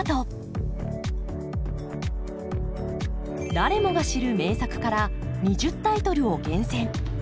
誰もが知る名作から２０タイトルを厳選。